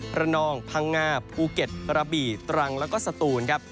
พรนองพังงาภูเก็ตระบิตรังแล้วก็สตูน